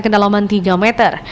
kedalaman tiga meter